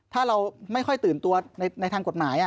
ถ้าเราไม่ค่อยตื่นตัวในทางกฎหมาย